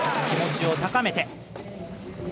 気持ちを高めて。